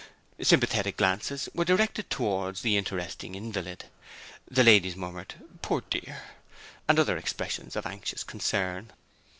Sympathetic glances were directed towards the interesting invalid; the ladies murmured, 'Poor dear!' and other expressions of anxious concern.